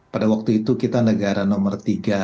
pada waktu itu kita negara nomor tiga